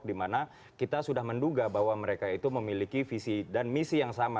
dimana kita sudah menduga bahwa mereka itu memiliki visi dan misi yang sama